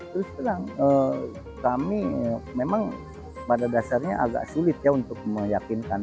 terus terang kami memang pada dasarnya agak sulit ya untuk meyakinkan